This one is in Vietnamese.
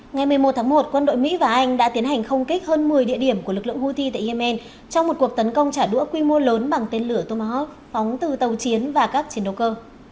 ngày một mươi một tháng một quân đội mỹ và anh đã tiến hành không kích hơn một mươi địa điểm của lực lượng houthi tại yemen trong một cuộc tấn công trả đũa quy mô lớn bằng tên lửa tomahawk phóng từ tàu chiến và các chiến đấu cơ